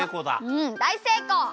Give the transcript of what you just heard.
うんだいせいこう！